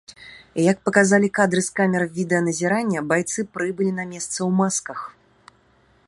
Як паказалі кадры з камер відэаназірання, байцы прыбылі на месца ў масках.